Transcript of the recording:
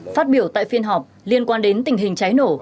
phát biểu tại phiên họp liên quan đến tình hình cháy nổ